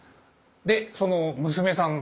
でその娘さん。